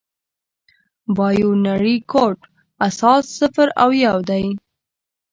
د بایونري کوډ اساس صفر او یو دی.